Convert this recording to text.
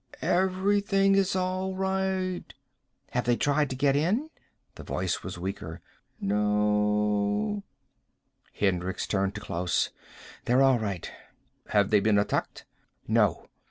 "Everything is all right." "Have they tried to get in?" The voice was weaker. "No." Hendricks turned to Klaus. "They're all right." "Have they been attacked?" "No."